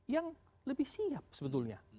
yang lebih siap sebetulnya